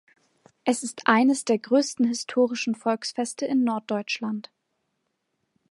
Es ist eines der größten historischen Volksfeste in Norddeutschland.